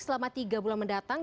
selama tiga bulan mendatang